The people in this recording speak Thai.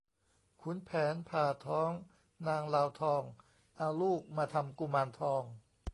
ขุนแผนผ่าท้องนางลาวทอง เอาลูกมาทำกุมารทอง